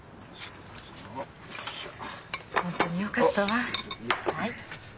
本当によかったわ。